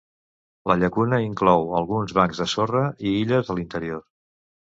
La llacuna inclou alguns bancs de sorra i illes a l'interior.